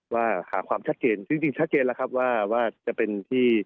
ว่าหาความชัดเกณฑ์จริงจริงชัดเกณฑ์แล้วครับว่าว่าจะเป็นที่